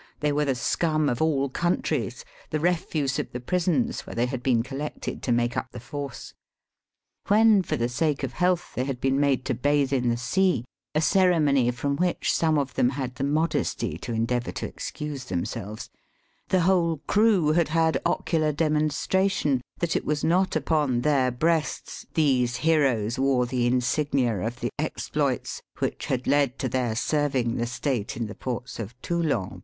They were the scum of all countries, the refuse of the prisons, where they had been collected to make up the force. When, for the sake of health, they had been made to bathe in the sea (a ceremony from which, some of them had the modesty to endeavour to excuse themselves), the whole crew had had ocular demonstration that it was not upon their breasts these heroes wore the insignia of the exploits which had led to their serving the state in the ports of Toulon.